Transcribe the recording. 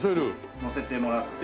のせてもらって。